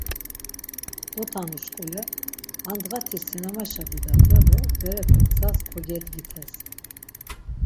Dotanuşkule handğa ti sinemaşa bidat ya do berepe gzas kogedgites.